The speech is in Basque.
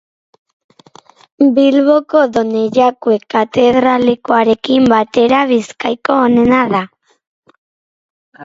Bilboko Donejakue katedralekoarekin batera, Bizkaiko onena da.